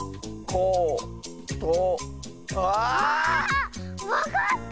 ああっ⁉わかった！